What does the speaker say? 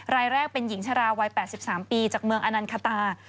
รายแรกเป็นหญิงชราวัย๘๓ปีจากเมืองอนันคตา